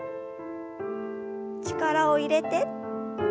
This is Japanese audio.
力を入れて。